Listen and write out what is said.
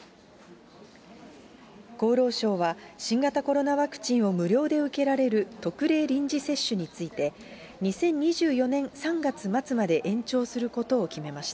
厚労省は、新型コロナワクチンを無料で受けられる特例臨時接種について、２０２４年３月末まで延長することを決めました。